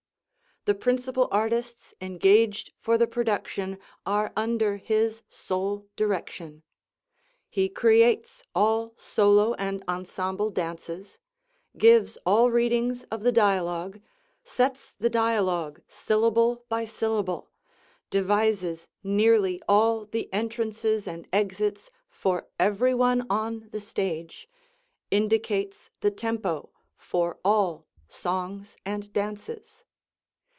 The principal artists engaged for the production are under his sole direction. He creates all solo and ensemble dances; gives all readings of the dialogue, sets the dialogue syllable by syllable, devises nearly all the entrances and exits for everyone on the stage, indicates the tempo for all songs and dances.